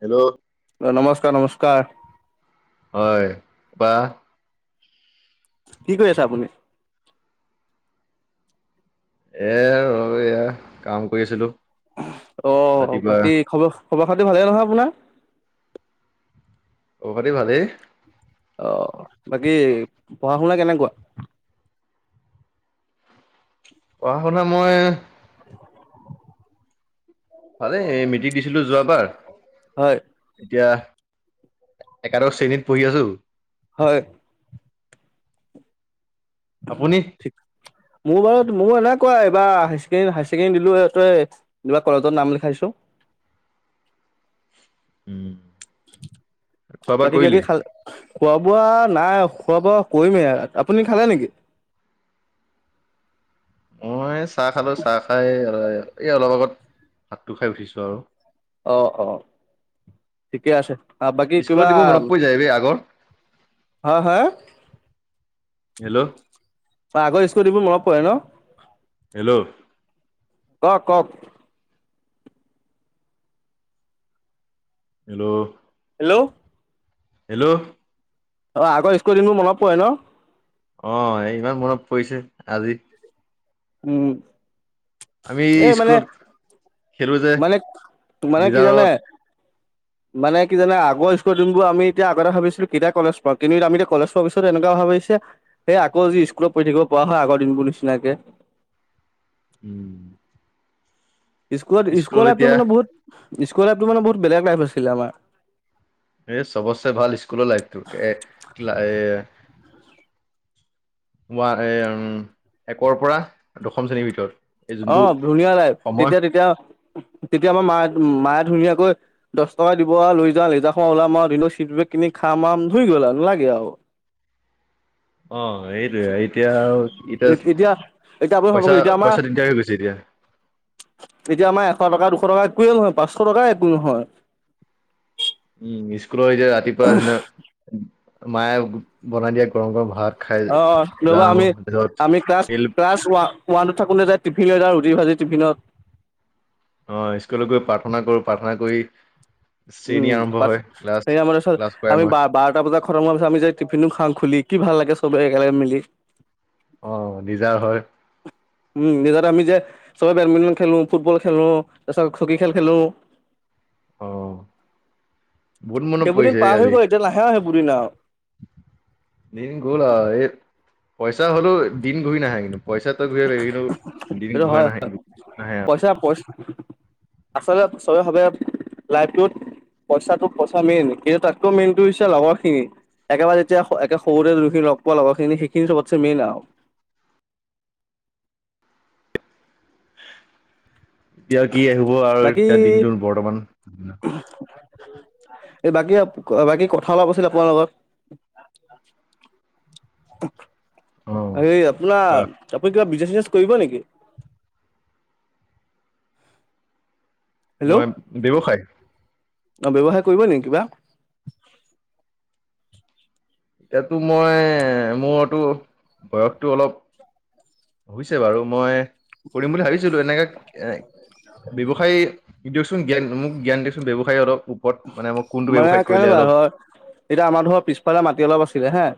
Hello, অ', নমস্কাৰ নমস্কাৰ। হয় বাহ কি কৰি আছে আপুনি। এ ৰ এয়া কাম কৰিছিলো। অ', বাকী খবৰ খবৰ খাতি ভালেই নহয় আপোনাৰ। অ', বাকী ভালেই। অ', বাকী পঢ়া শুনা কেনেকুৱা। পঢ়া শুনা মই [inaudible] ভালে মেট্ৰিক দিছিলো যোৱা বাৰ হয় এতিয়া একাদশ শ্ৰেণীত পঢ়ি আছো। হয়। আপুনি [unintelligible] মোৰ বাৰু মোৰ এনেকোৱাই। হাই ছেকেণ্ডাৰী দিলো কলেজত নাম লিখাইছো। [inaudible] উম। বাকী কে কি খালে খোৱা বোৱা নাই খোৱা বোৱা কৰিমেই আপুনি খালে নেকি? [inaudible] মই চাহ খালো চাহ খাই এই অলপ আগত ভাতটো খাই উঠিছো আৰু। অ', অ ', ঠিকে আছে। আৰু বাকী স্কুলত কিবা দিব মনত পৰি যায় বে আগৰ হা, হা হেল্ল',। আগৰ স্মৃতি বোৰ মনত পৰে ন। হেল্ল' ও কওক। Hello, hello, hello! অ আগৰ স্কুল দিনবোৰ মনত পৰে ন, অহ ইমান মনত পৰিছে আজি। উম! আমি এ মানে স্কুলত খেলো যে মানে মানে কি জানে, লিজাৰত মানে কি জানা আগৰ স্কুল দিনবোৰ আমি এতিয়া আগতে ভাবিছিলো কেতিয়া কলেজ পাম কিন্তু এতিয়া আমি কলেজ পোৱা পিছতে এনেকুৱা হয়। ছে সেই আকৌ যি স্কুলত পঢ়ি থাকিব পৰা হয় আগৰ দিনবোৰ নিচিনাকে। [inaudible] স্কুলত স্কুল স্কুললাইফটো এতিয়া মানে বহুত স্কুললাইফটো মানে বহুত বেলেগ টাইপ আছিলে আমাৰ, এ চবতচে ভাল স্কুলৰ লাইফটো এ কেলা এ, [unintelligible] এম একৰ পৰা দশম শ্ৰেণীৰ ভিতৰত, এই অ যোনটো ধুনীয়া লাইফ সময় তেতিয়া তেতিয়া, কেতিয়াবা মায়ে মায়ে ধুনীয়াকৈ দহ টকা দিব আৰু লৈ যা লেজাখ, [unintelligible] তুমি খামাম ধুই গ'লা নেলাগে আৰু, অ সেইটোয়ে এতিয়া আৰু এতিয়া এতিয়া আপুনি ভাবক পইচা এতিয়া আমাৰ পইচা দিগদাৰ হৈ গৈছে এতিয়া, এতিয়া আমাৰ এশ টকাতো, শ টকা একো নহয় পাঁচশ টকাই একো নহয়। উ স্কুলৰ এই যে ৰাতিপুৱাৰ দিনে মায়ে বনাই দিয়া গৰম গৰম ভাত, খাই অ ৰবা যাওঁ আমি তাৰপিছত আমি ক্লাছ ফিল ক্লাছ ওৱান, ওৱানত থাকোতে যে টিফিন লৈ যাওঁ ৰুটি ভাজি টিফিনত, অহ স্কুলত গৈ প্ৰাৰ্থনা কৰো প্ৰাৰ্থনা কৰি, শ্ৰেণী উম আৰম্ভ হয় ক্লাছ পিছত ক্লাছ কৰাই আমি মই বাৰটা বজাত খতম হোৱাৰ পিছত আমি যে টিফিনো খাও খুলি কি ভাল লাগে চবে একেলগে মিলি, অ লিজাৰ হয় লিজাৰত আমি যে সবে বেডমিণ্টন খেলোঁ ফুটবল খেলোঁ তাৰপিছত হকী খেল খেলোঁ, অহ! বহুত মনত সেইবোৰ দিন পৰিছে এ পাৰ হৈ আজি! গ'ল এতিয়া নাহে আৰু সেইবোৰ দিন আৰু দিন গ'ল আৰু এই পইচা হ'লেও দিন ঘূৰি নাহে কিন্তু পইচা ঘূৰি প কিন্তো দিন সেইটো ঘূৰা হয় নাহে নাহে আৰু, পইচা পইচা আচলতে সবেই ভাৱে লাইফটোত পইচাটো পইচা মেইন কিন্তু তাতকৈ মেইনটো হৈছে লগৰ খিনি একেবাৰে যেতিয়া একে সৰুতে যুনখিনি লগ পোৱা লগৰখিনি সেইখিনি চবতকে মেইন আৰু, এতিয়া কি আহিব আৰু বাকী এতিয়া দিনটোৰ বৰ্তমান এই বাকী বাকী কথা অলপ আছিল আপোনাৰ লগত। অ' এই আপোনাৰ কোৱা আপুনি কিবা বিচ বিজনেছ কৰিব নেকি? হেল্ল' মই ব্যৱসায়। অ ব্যৱসায় কৰিব নেকি কিবা এতিয়াতো মই মোৰতো বয়সটো অলপ হৈছে বাৰু মই কৰিম বুলি ভাবিছিলো এনেকা এ ব্যৱসায় দিয়কচোন জ্ঞান মোক জ্ঞান দিয়কচোন ব্যৱসায় অলপ। ওপৰত মানে মোক কোনটো মানে ব্যৱসায় কৰিলে কেনেকুৱা অলপ ধৰ এতিয়া আমাৰ ধৰ পিছফালে মাটি অলপ আছে। হা-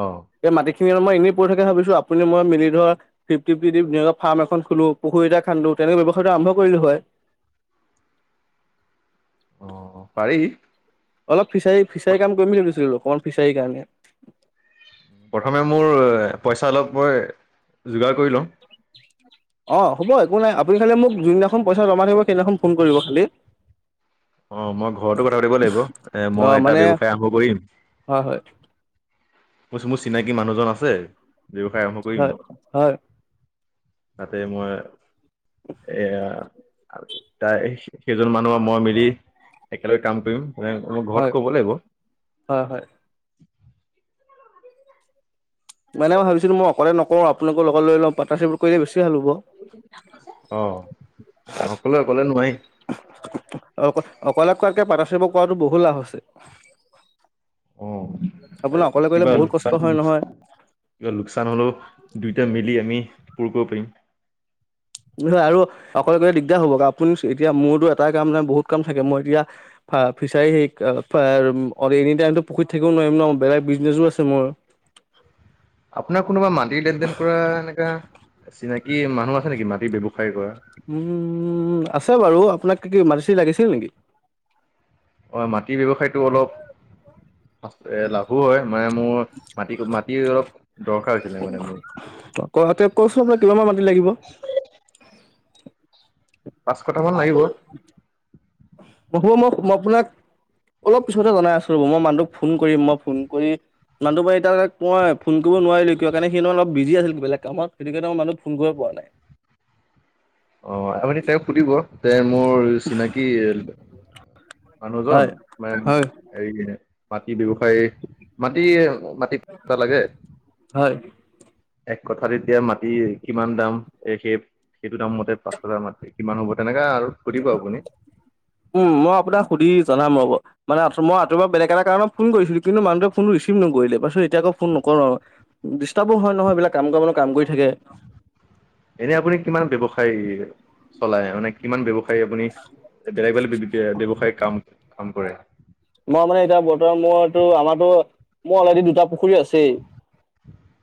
অহ। এই মাটিখিনি মই এনেই পৰি থাকে ভাবিছো আপুনি মই মিলি ধৰক ফিফটি ফিফটি দি ধুনীয়াকে ফাৰ্ম এখন খোলো পুখুৰী এটা খান্দো। তেনেকে ব্যৱসায়টো আৰম্ভ কৰিলো হয়। অ' পাৰি অলপ ফিচাৰী ফিচাৰী কাম কৰি ম বুলিছিলো অকমান ফিচাৰীৰ কাৰণে, প্ৰথমে মোৰ পইচা অলপ মই যোগাৰ কৰি লওঁ, অ' হ'ব একো নাই আপুনি খালি মোক যোনদিনাখন পইচা জমা থাকিব সেইদিনাখন ফোন কৰিব খালী। অ মই ঘৰতো কথা পাতিব লাগিব এ অ মই এটা মানে ব্যৱসায় আৰম্ভ কৰিম। হয় হয় মোৰ মোৰ চিনাকি মানুহজন আছে, ব্যৱসায় আৰম্ভ কৰিম হয় হয়! তাতে মই এয়া, আৰু তাই সেইজন মানুহৰ মই মিলি একেলগে কাম কৰিম। ম ম হয় ঘৰত কব লাগিব, হয় হয়। মানে ম ভাবিচিলো মই অকলে নকওঁ আপোনালোক লগত লই পাৰটাৰ্বি কৰিলে বেছি। ভাল আহ! অ অকল, কাৰকে পাতা চব কৰাটো বহু লাভ আছে। অ আপোনাৰ অকলে কৰিলে কিবা বহুত কষ্ট লচান হয় নহয় কিবা লোকচান হ'লেও দুয়োটা মেলি আমি পূৰ কৰিব পাৰিম। য় আৰু অকলে গলে দিগদাৰ হ'ব আপুনি এতিয়া মোৰতো এটাই কাম নাই বহুত কাম থাকে মই এতিয়া, ফিচাৰী হ এনি াইম পখীত থাকিব নোৱাৰিম ন বেলেগ বিজনেচো আছে মোৰ, হয়! আপোনাৰ কোনোবা মাটিৰ লেন দেেন কৰা এনেকা চিনাকি মানুহ আছে নেকি মাটিৰ ব, উম আছে বাৰু আপোনাক কি মাৰচি লাগিছিল নেকি? অ মাটি ব্যৱসায়তটো অলপ, এ লাভো হয়। মানে মোৰ মাটি মাটি অলপ দৰকাৰ হৈছিলে মানে মোৰ। গুৱাহাটীক কৈছো মই কিমানান মাটি লাগিব। পাঁচশটামান লাগিব। [unintelligible] মোক মই মই আপোনাক অলপ পিছতে জনাই আছো ৰ'ব মই মানুহটোক ফোন কৰিম মই ফোন কৰি মানুহটো বাও এতিয়া মই ফোন কৰি। ক নোৱাৰিলো কিয় কাৰণে সি অলপ বিজি আছিল বেলেক কামত সেইটোকে মই মানুহ ফোন কৰিব পৰা নাই। অ আপুনি তেওঁক সুধিব যে মোৰ চিনাকি মানুহজন, হয় মানে হয় হেই মাটি ব্যৱসায়ী মাটি এ মাটিতা লাগে। হয় এক কথাত এতিয়া মাটি কিমান দাম সেই সেই সেইটো দাম মতে পাঁচশপোৰা মাটি কিমান হ'ব তেনেকা আৰু। সুধিব আপুনি [inaudible] উম মই আপোনাক সুধি জনাম ৰ'ব মানে মই ৰাতিপুৱা বেলেগ এটা কাৰণত ফোন কৰিছিলো কিন্তু মানুহটোৱে ফোনটো ৰিচিভ নকৰিলে [unintelligible] এতিয়া আকৌ ফোন নকৰো কৰো আও, ডিষ্টাৰ্বো হয় নহয় এইবিলাক কাম কৰা মানে কাম কৰি থাকে। এনে আপুনি কিমান ব্যৱসায় চলাই মানে কিমান ব্যৱসায় আপুনি বেলেগ বেলেগ ব্যৱ ব্যৱসায় কাম, কাম কৰে। ম মানে এতিয়া বৰ্তমান মইটো আমাৰটো মো অলৰেডি দুটা পুখুৰী আছে।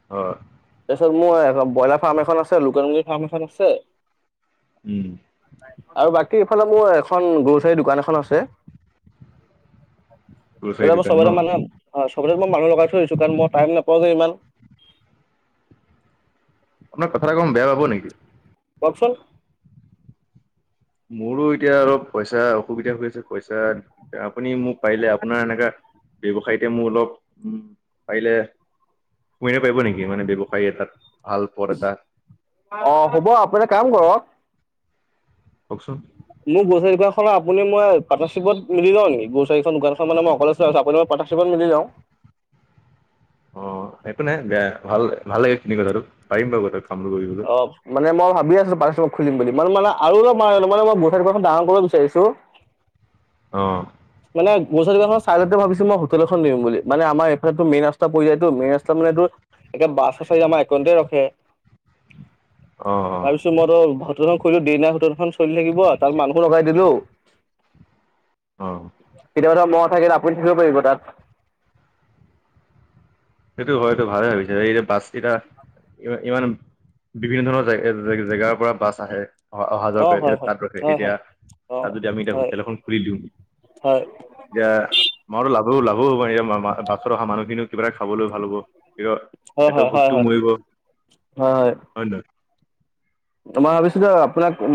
[inaudible] অহ মই ব্ৰইলাৰ ফাৰ্ম এখন আছে লোকেল মুুৰ্গী ফাৰ্ম এখন আছে। উম। আৰু বাকী ইফালে মোৰ এখন গ্ৰ'চাৰী দোকান এখন আছে। গ্ৰচাৰী এতিয়া মো দোকান ন সবতে মানে সবতে মই মানুহ লগাই থৈ আহিছোঁ কাৰণ মই টাইম নাপাওঁ যে ইমান। আপোনাক কথা এটা কম বেয়া পাব নেকি? কওকচোন। মোৰো এতিয়া অলপ পইচা অসুবিধা হৈ আছে পইচা আপুনি মোক পাৰিলে আপোনাৰ এনেকা ব্যৱসায়তে মোৰ অলপ উম পাৰিলে সোমোৱাই দিব পাৰিব নেকি মানে ব্যৱসায় এটাত ভাল পদ এটা হ'ব আপুনি কাম অ কওকচোন মোৰ গ্ৰচাৰী দোকানখন আপুনি মই পাটনাৰশ্বিপত মিলি লও নেকি? গ্ৰচাৰীখন দোকানখন মানে মই অকলে চলাই আছো আপুনি মই পাটনাৰশ্বিপত মিলি যাওঁ। অঁ, একো নাই বেয়া ভাল ভালেই এইখিনি কথাটো পাৰিম বাৰু কথাটো। কামটো কৰিবলৈ অঁ মানে মো ভাবি আছো পাৰ্নশ্বিপত খুলিম বুলি মানে মানে আৰু অলপ মানে অলপ মানে মই গ্ৰচাৰী দোকানখন ভাঙৰ কৰিব বিচাৰিছো অ মানে গ্ৰচাৰী খনৰ চাইডতে ভাবিছো মই হোটেল এখন দিম বুলি মানে আমাৰ এইফালেটো মেইন ৰাস্ত পৰি যায়টো, মেইন ৰাস্তা মোৰ এটো একে বাছ-ছাছ আমাৰ এইকণতে ৰখে। অ অ [inaudible] ভাবিছো মোৰো ব হোটেলখন খুলি দিনে হোটেলখন চলি থাকিব তাত মানুহ লগাই দিলো অ কেতিয়াবা এটা মই থাকিল আপুনি থাকিব পাৰিব তাত। সেইটো হয় এইটো ভালে ভাবিছে এই যে বাছকেইটা ই ইমান বিভিন্ন ধৰণৰ জে জে জেগাৰ পৰা বাছ আহে। অ অহা যোৱা অ কৰে হয় এতিয়া হয় তাত ৰখে হয় এতিয়া, হয় অ তাত যদি আমি এতিয়া হয় হোটেল এখন খুলি দিওঁ। হয় এতিয়া মইটো লাভো লাভো হব এতিয়া বা বা বাছত অহা মানুহখিনি। খাবলৈ ভাল হ'ব সিৰ হয় পেটৰ হয় হয় ভোকটো হয়। মৰিব, হয় নহয়।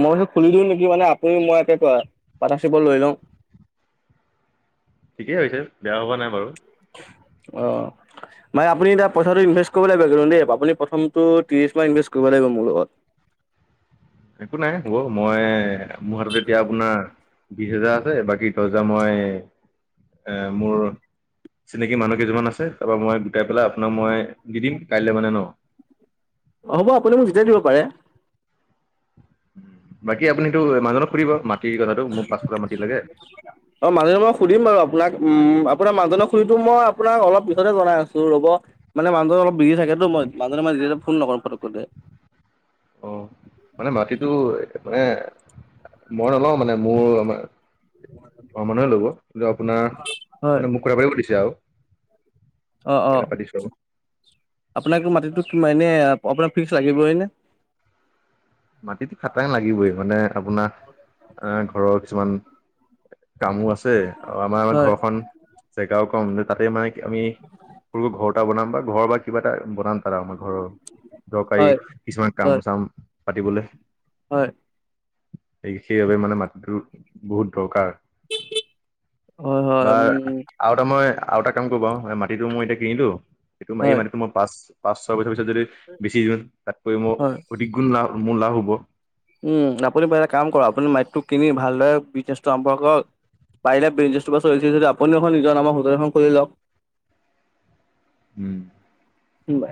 মইতো খুলি দিওঁ নেকি মানে আপুনি মই পাটাশ্বিপত লৈ লওঁ। [inaudible] ঠিকেই হৈছে, বেয়া হোৱা নাই বাৰু। অহ। মানে আপুনি এতিয়া পইচাটো ইনভেষ্ট কৰিব লাগিব কিন্তু দেই আপুনি প্ৰথমটো ত্ৰিশ মাহ ইনভেষ্ট কৰিব লাগিব মোৰ লগত। [inaudible] একো নাই হ'ব, মই মোৰ হাতত এতিয়া আপোনাৰ বিশ হেজাৰ আছে, বাকী দহ হেজাৰ মই এ মোৰ চিনাকি মানুহ কেইজনমান আছে তাৰপৰা মই গোটাই পেলাই আপোনাক মই দি দিম কাইলৈ মানে ন। হ'ব আপুনি মোক যেতিয়াই দিব পাৰে। বাক কি আপুনিতো মানুহজনক সুদিব মাটিৰ কথাটো, মোক পাঁচকঠা মাটি লাগে। অ মানুহজনক মই সুধিম বাৰু আপোনাক উম, আপোনাক মানুহজনক সুধিটো মই আপোনাক অলপ পিছতে জনাই আছো ৰ'ব, মানে মানুহজন অলপ বিজি থাকে। সেইটো মই মানুহজনক মই নিজে নিজে ফোন নকৰো পটককে। অ', মানে মাটিতো মানে মই নলওঁ মানে মোৰ আমাৰ ঘৰৰ মানুহে লব কিন্তু আপোনাৰ হয় মানে মোক কথা পাতিব দিছে আৰু। এনে পাতিছো আৰু। আপোনাক মাটিটো এনে, আপোনাৰ ফিক্স লাগিবই নে? মাটিটো খাটাং লাগিবই মানে আপোনাৰ অ', ঘৰৰ কিছুমান কামো আছে আৰু আমাৰ হয়, ঘৰখন [unintelligible] তাতে মাইক আমি সৰু ঘৰ এটা বনাম বা ঘৰ বা কিবা এটা বনাম তাত আমাৰ ঘৰৰ দৰকাৰী হয়, কিছুমান কাম হয়, চাম পাতিবলৈ হয় সেইবাবে মানে মাটিটো বহুত দৰকাৰ। হয়, হয়, বা উম, আৰু এটা মই আৰু এটা কাম কৰিব পাও, এই মাটিটো মই এতিয়া কিনিলো, এইটো ম এই হয়, মাটিটো মই পাঁচ পাঁচ ছয় বছৰ যদি বেচি দিওঁ, তাতকৈ মোৰ হয়। অধিক গুণ লাভ মোৰ লাভ হ'ব। উম, আপুনি পাৰিলে এটা কাম কৰক, আপুনি মাটিটো কিনি ভালদৰে বিজনেচটো আৰম্ভ কৰক পাৰিলে বিজনেছটোৰ পাছত চলিছে যদি আপুনি এখন নিজৰ নামৰ হোটেল এখন খুলি লওক। উম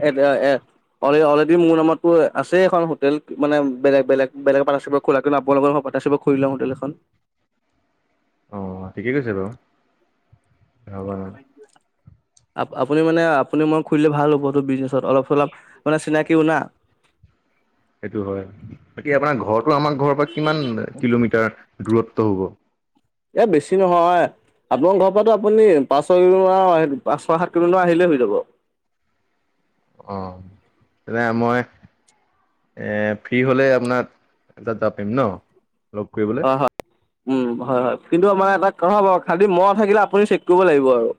এ এ অল অলৰেডি মোৰ নামততো আছেই এখন হোটেল মানে বেলেগ বেলেগ এ পা চব খোলা কিন্ত আপোনালোকৰ পা চিব খুৰি লওঁ হোটেল এখন অ ঠিকেই কৈছে বাৰু আপুনি মানে আপুনি মই খুৰিলে ভাল হ'ব বতো বিজনেছত অলপ চলপ মানে চিনাকি উনা সেইটো হয় বাকী আপোনাৰ ঘৰটো আমাৰ ঘৰৰ পৰা কিমান কিলোমিটাৰ দূৰত্ব হ'ব এ বেছি নহয় আপোনাৰ ঘৰ পৰা আপুনি পাঁচ ছ কিলোমিাৰ পাঁচ ছয় সাত কিলোমিটাৰ আহিলে হৈ যাব [inaudible] অ', এইয়া মই এ, ফ্ৰী হ'লে আপোনাক [unintelligible] ন' লগ কৰিবলে? হয় হয় উম, হয়, হয়। কিন্তু আমাৰ এটা কথা হ'ব, খালী মই থাকিলে আপুনি চেক কৰিব লাগিব আৰু।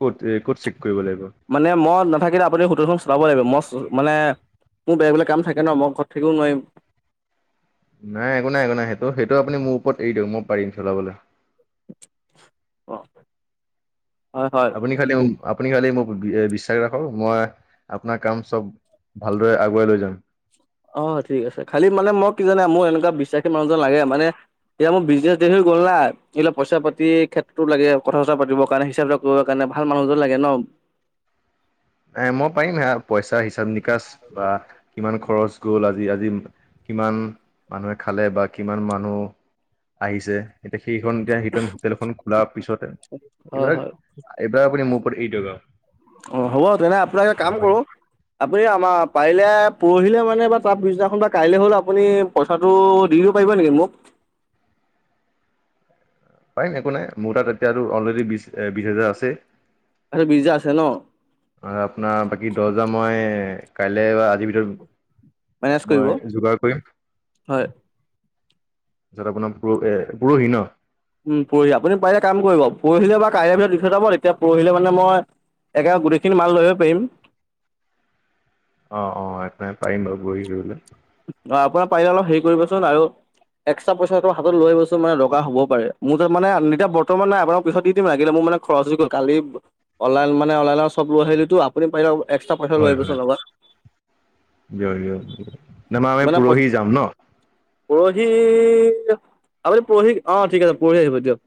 ক'ত এ ক'ত চেক কৰিব লাগিব থাকিলে আপুনি হোটেলখন চাব লাগিব মষ্ট মানে মোৰ বেলেগ বেলে কাম থাকে ন মই ঘৰত থাকিও নোৱাৰিম নাই একো নাই একো নাই সেইটো সেইটো আপুনি মোৰ ওপৰত এৰি দিয়ক মই পাৰিম চলাবলৈ অ হয় হয় আপুনি খালি আপুনি খালি মোক বিশ্বাস ৰাখক মই আপোনাৰ কাম চব ভালদৰে আগুৱাই লৈ যাম অ ঠিক আছে খালি মানে মই কি জানে মোৰ এনেকুৱা বিশ্বাসী মানুহজন লাগে মানে এতিয়া মোৰ বিজনেছ দেৰি হৈ গ'ল না এইিলা পইচাতি ক্ষেত্ৰতো লাগে কথা চথা পাতিব কাৰণে হিচাপ বিলাক কৰিবৰ কাৰণে ভাল মানুহজনো লাগে ন এ মই পাৰিম হে পইচা হিচাপ নিকাচ বা কিমান খৰচ গ'ল আজি আজি কিমান মানুহে খালে বা কিমান মানুহ আহিছে এতিয়া সেইখন এতিয়া সেইটো আমি হোটেলখন খোলাৰ পিছতে হয় এইবিলাক হয় এইবাৰ আপুনি মোৰ ওপৰত এৰি দিয়ক আৰু। অ হ'ব তেনে আপোনাক এটা কাম কৰোঁ আপুনি আমাৰ পাৰিলে। পৰহিলে মানে বা তাত পিছদিনাখন বা কাইলৈ হ'ল আপুনি পইচাটো দি দিব পাৰিব নেকি মোক। [inaudible] পাৰিম একো নাই মোৰ তাত এতিয়া আৰু অলৰেডি বিশ বিশ হেজাৰ আছে। আৰু বিৰ্জা আছে নহ। আৰু আপোনাৰ বাকী দৰ্জা মই কাইলৈ বা আজিৰ ভিতৰত। মেনেজ কৰিব মই যোগাৰ কৰিম হয় য'ত আপোনাৰ এ পৰহি নহ। উম পৰহি আপুনি পাৰিলে কাম কৰিব পৰহিলে বা কাইলৈ ভিতৰত দি থৈ যাব তেতিয়া পৰহিলে মানে মই। একেবাৰে গোটেইখিনি মাল লৈ আহিব পাৰিম। অ অ এক পাৰিম বাৰু পৰহি দিবলৈ। অ আপোনাৰ পাৰিলে অলপ হেৰি কৰিবচোন আৰু। এক্সট্ৰা পইচাটো হাতত লৈ আহিবচোন মানে দৰকাৰ হ'ব পাৰে মোৰ তাত মানে এতিয়া বৰ্তমান নাই আপোনাক পিছত দিম লাগিলে মোৰ। মানে খৰচ হৈ গ'ল কালি অনলাইন মানে অনলাইনত চব লৈ আহিলোটো আপুনি পাৰিলে। এক্সট্ৰা পইচা লৈ হয় আহিবচোন হয়। লগত [unintelligible] [unintelligible] আমি পৰহি মানে যাম নহ। পৰহি আপুনি পৰহি অ ঠিক আছে পৰহি আহিব দিয়ক